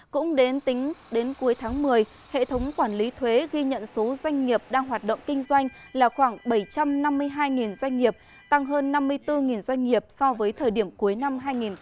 cũng đến tính đến cuối tháng một mươi hệ thống quản lý thuế ghi nhận số doanh nghiệp đang hoạt động kinh doanh là khoảng bảy trăm năm mươi hai doanh nghiệp tăng hơn năm mươi bốn doanh nghiệp so với thời điểm cuối năm hai nghìn một mươi tám